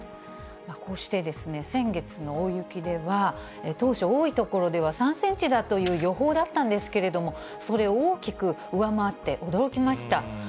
こうして先月の大雪では、当初、多い所では３センチだという予報だったんですけれども、それを大きく上回って驚きました。